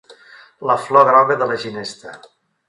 La flor groga de la ginesta.